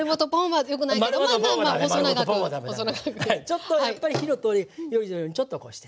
ちょっとやっぱり火の通りよいようにちょっとこうして。